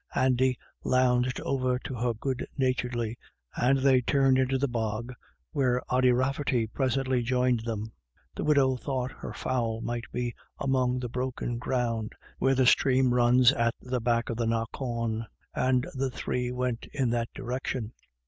Andy lounged over to her good naturedly, and they turned into the bog, where Ody Rafferty presently joined them. The widow thought her fowl might be among the broken ground, where the stream runs at the back of the knockawn, and the three went in that direction.